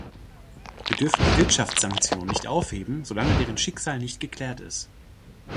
Wir dürfen die Wirtschaftssanktionen nicht aufheben, solange deren Schicksal nicht geklärt ist.